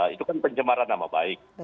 itu kan pencemaran nama baik